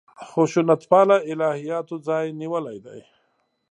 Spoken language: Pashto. خشونت پاله الهیاتو ځای نیولی دی.